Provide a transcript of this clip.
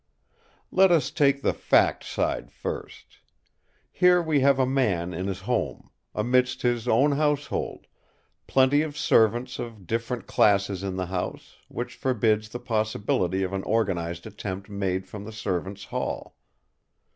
"Let us take the 'Fact' side first. Here we have a man in his home; amidst his own household; plenty of servants of different classes in the house, which forbids the possibility of an organised attempt made from the servants' hall.